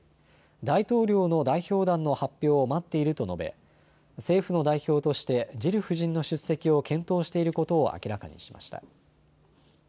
大統領の代表団の発表を待っていると述べ政府の代表としてジル夫人の出席を検討していることを明らかにしました。